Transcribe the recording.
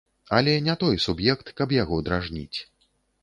Але не той суб'ект, каб яго дражніць.